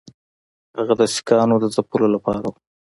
هغه د سیکهانو د ځپلو لپاره وو.